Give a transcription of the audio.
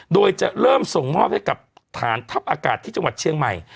โดยจะเริ่มส่งมอบให้กับฐานทัพอากาศที่จังหวัดเชียงใหม่